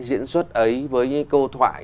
diễn xuất ấy với câu thoại